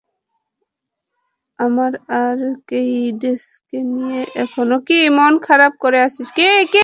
আমার আর কেইডেন্সকে নিয়ে এখনো মন খারাপ করে আছিস?